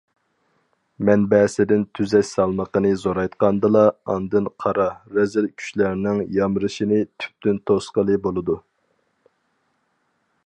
مەنبەسىدىن تۈزەش سالمىقىنى زورايتقاندىلا، ئاندىن قارا، رەزىل كۈچلەرنىڭ يامرىشىنى تۈپتىن توسقىلى بولىدۇ.